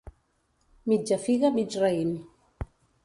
Mitja figa, mig raïm.